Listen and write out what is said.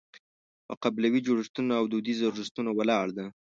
په قبیلوي جوړښتونو او دودیزو ارزښتونو ولاړه ده.